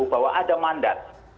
bahwa ada mandat